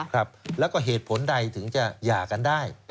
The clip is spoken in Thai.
ครับแล้วก็เหตุผลใดถึงจะหย่ากันได้